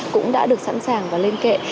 cũng đã được sẵn sàng và lên kệ